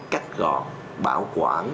cách gọn bảo quản